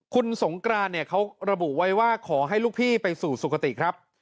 คุณสงกรานเนี่ยเขาระบุไว้ว่าขอให้ลูกพี่ไปสู่สุขติครับ